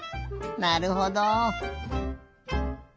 なるほど。